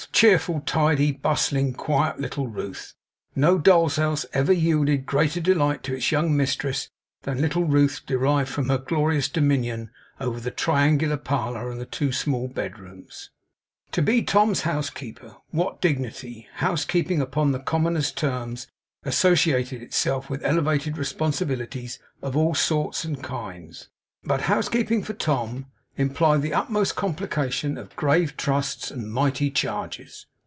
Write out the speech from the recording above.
Cheerful, tidy, bustling, quiet little Ruth! No doll's house ever yielded greater delight to its young mistress, than little Ruth derived from her glorious dominion over the triangular parlour and the two small bedrooms. To be Tom's housekeeper. What dignity! Housekeeping, upon the commonest terms, associated itself with elevated responsibilities of all sorts and kinds; but housekeeping for Tom implied the utmost complication of grave trusts and mighty charges.